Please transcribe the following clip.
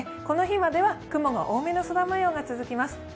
この日までは、雲が多めの空もようが続きます。